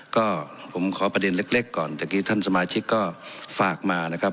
ก็ผมขอประเด็นเล็กก่อนเมื่อกี้ท่านสมาชิกก็ฝากมานะครับ